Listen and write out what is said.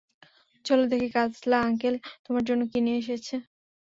চল দেখি কাজলা আঙ্কেল তোমার জন্য কি নিয়ে এসেছে।